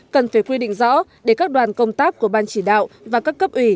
cần phải quy định rõ để các đoàn công tác của ban chỉ đạo và các cấp ủy